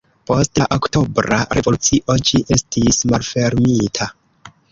Post la Oktobra Revolucio ĝi estis malfermita.